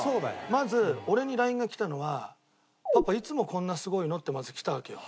まず俺にＬＩＮＥが来たのは「パパいつもこんなすごいの？」ってまず来たわけよ。